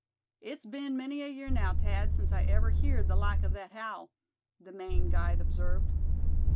"It's be'n many a year now, Thad, since ever I heerd the like o' thet howl," the Maine guide observed.